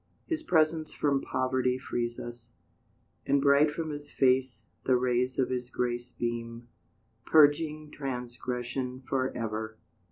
His presence from poverty frees us, And bright from His face The rays of His grace Beam, purging transgression for ever.